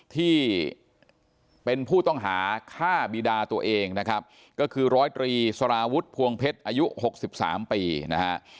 ที่เป็นผู้ต้องหาฆ่าบีดาตัวเองนะครับก็คือร้อยตรีสารวุฒิพวงเพชรอายุ๖๓ปีนะฮะ